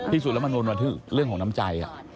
ที่สุดแล้วมันวนมาถึงเรื่องของน้ำใจ